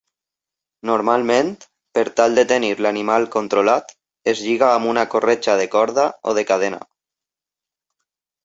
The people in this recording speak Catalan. Normalment, per tal de tenir l'animal controlat, es lliga amb una corretja de corda o de cadena.